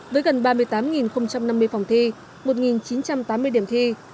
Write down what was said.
với gần ba mươi tám năm mươi phòng thi một chín trăm tám mươi điểm thi